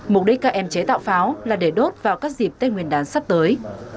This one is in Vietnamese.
mục đích các em chế tạo pháo là để đốt vào các dịp tết nguyên đán sắp tới